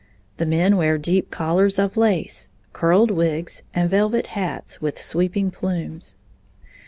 The men wear deep collars of lace, curled wigs, and velvet hats with sweeping plumes.